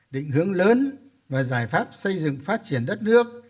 định hướng lớn và giải pháp xây dựng phát triển đất nước